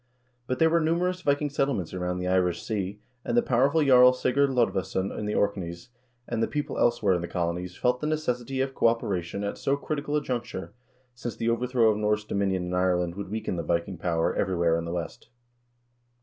But there were numerous Viking settlements around the Irish Sea, and the powerful Jarl Sigurd Lod vesson in the Orkneys, and the people elsewhere in the colonies felt the necessity of cooperation at so critical a juncture, since the over throw of Norse dominion in Ireland would weaken the Viking power everywhere in the West.